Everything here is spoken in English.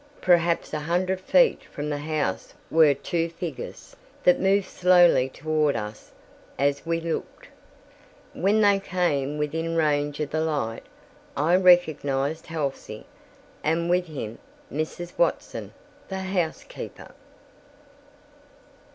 Perhaps a hundred feet from the house were two figures, that moved slowly toward us as we looked. When they came within range of the light, I recognized Halsey, and with him Mrs. Watson, the housekeeper.